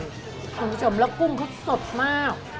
คุณผู้ชมแล้วกุ้งเขาสดมาก